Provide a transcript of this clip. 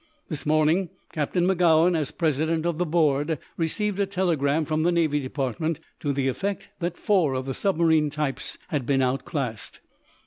This morning Captain Magowan, as president of the board, received a telegram from the Navy Department to the effect that four of the submarine types had been outclassed.